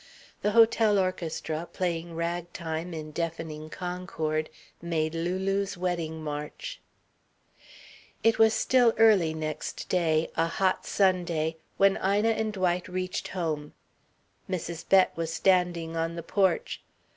The hotel orchestra, playing ragtime in deafening concord, made Lulu's wedding march. It was still early next day a hot Sunday when Ina and Dwight reached home. Mrs. Bett was standing on the porch.